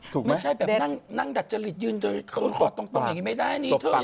ถูกไหมไม่ได้แบบนั่งดัจจริตยืนทุนต่อตรงอย่างงี้ไม่ได้